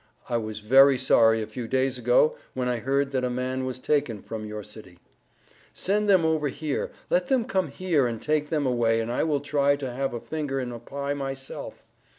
I was very sorry a few days ago when I heard that a man was taken from your city. Send them over here, then let him come here and take them away and I will try to have a finger in the Pie myself.